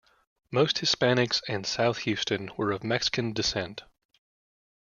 Most Hispanics in South Houston were of Mexican descent.